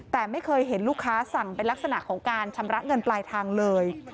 แต่ไม่เคยเห็นลูกค้าสั่งเป็นลักษณะของการชำระเงินปลายทางเลย